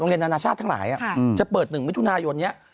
โรงเรียนอาณาชาติทั้งหลายจะเปิด๑วิทยุนายนเนี่ย